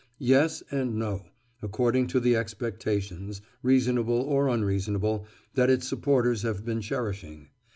Yes and no, according to the expectations, reasonable or unreasonable, that its supporters have been cherishing.